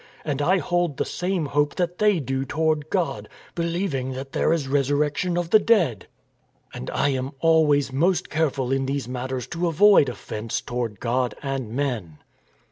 And I hold the same hope that they do toward God, believ ing that there is resurrection of the dead. And I " I APPEAL TO C^SAR !" 307 am always most careful in these matters to avoid of fence toward God and men.